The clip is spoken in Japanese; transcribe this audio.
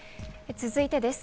続いてです。